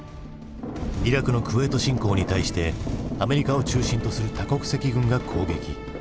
イラクのクウェート侵攻に対してアメリカを中心とする多国籍軍が攻撃。